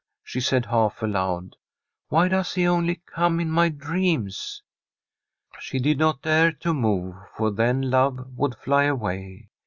she said, half aloud. ' Why does he only come in my dreams? ' She did not dare to move, for then love would fly away.